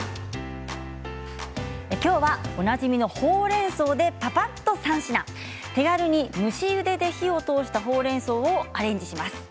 きょうはおなじみのほうれんそうで、ぱぱっと３品手軽に蒸しゆでで火を通したほうれんそうを、アレンジします。